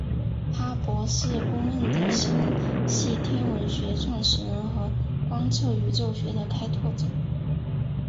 哈勃是公认的星系天文学创始人和观测宇宙学的开拓者。